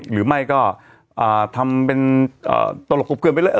หรือไม่ก็ทำเป็นตลกกุบเกินไปเลย